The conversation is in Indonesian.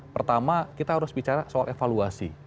pertama kita harus bicara soal evaluasi